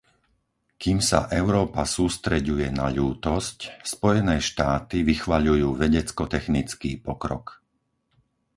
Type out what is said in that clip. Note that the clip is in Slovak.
Kým sa Európa sústreďuje na ľútosť, Spojené štáty vychvaľujú vedecko-technický pokrok.